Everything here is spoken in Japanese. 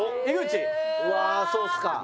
うわーそうっすか。